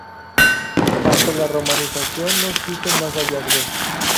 Hasta la romanización no existen más hallazgos.